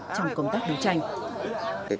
trong công tác đấu tranh